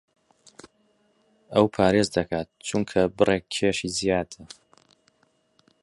ئەو پارێز دەکات چونکە بڕێک کێشی زیادە.